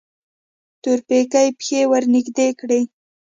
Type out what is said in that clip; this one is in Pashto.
تورپيکۍ پښې ورنږدې کړې.